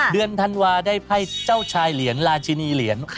เดือนธันวาได้ไพ่เจ้าชายเหรียญราชินีเหรียญ